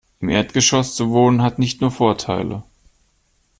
Im Erdgeschoss zu wohnen, hat nicht nur Vorteile.